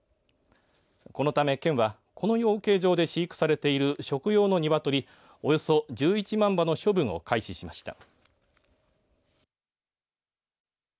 このため県はこの養鶏場で飼育されている食用のニワトリおよそ１１万羽の処分を開始しました。